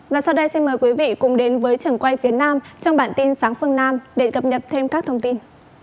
và sau đây xin mời quý vị cùng đến với trường quay phía nam trong bản tin sáng phương nam để cập nhật thêm các thông tin